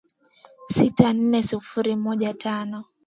sita nne sifuri moja tano